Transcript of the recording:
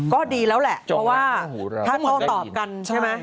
ก็ดีแล้วแหละเพราะว่าถ้าโต้ตอบกันใช่ไหม